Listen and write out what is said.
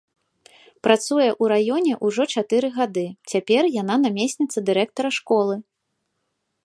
Працуе ў раёне ўжо чатыры гады, цяпер яна намесніца дырэктара школы!